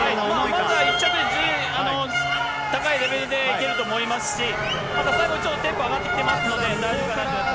まずは１着で、高いレベルでいけると思いますし、最後、ちょっとテンポ上がってきていますので、大丈夫かなと。